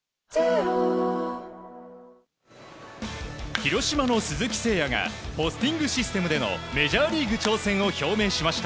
広島の鈴木誠也がポスティングシステムでのメジャーリーグ挑戦を表明しました。